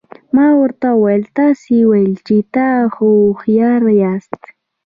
ما ورته وویل تاسي ویل چې تاسي هوښیار نه یاست.